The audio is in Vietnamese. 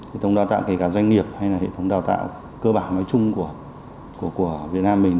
hệ thống đào tạo kể cả doanh nghiệp hay là hệ thống đào tạo cơ bản nói chung của việt nam mình